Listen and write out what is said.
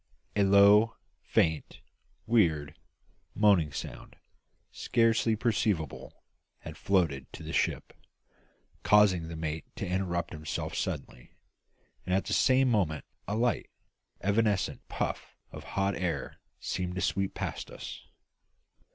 A low, faint, weird, moaning sound, scarcely perceptible, had floated to the ship, causing the mate to interrupt himself suddenly; and at the same moment a light, evanescent puff of hot air seemed to sweep past us.